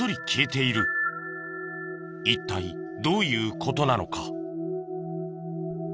一体どういう事なのか？